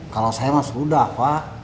kalau saya sudah pak